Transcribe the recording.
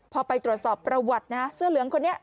พอไปตรวจสอบประวัตินะเสื้อเหลืองคนนี้